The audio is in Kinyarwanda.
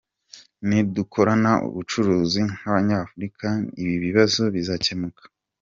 Nidukorana ubucuruzi nk’Abanyafurika ibi bibazo bizakemuka.